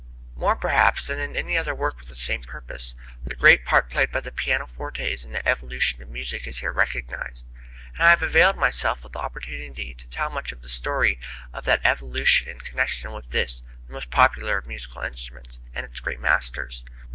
More, perhaps, than in any work with the same purpose, the great part played by the pianoforte in the evolution of music is here recognized, and I have availed myself of the opportunity to tell much of the story of that evolution in connection with this, the most popular of musical instruments, and its great masters.